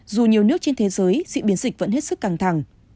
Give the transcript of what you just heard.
dù nhiều nước trên thế giới diễn biến dịch vẫn hết sức căng thẳng